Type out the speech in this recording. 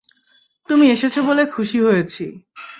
তুমি এসেছো বলে খুশি হয়েছি!